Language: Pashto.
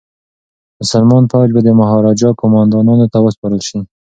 مسلمان فوج به د مهاراجا قوماندانانو ته وسپارل شي.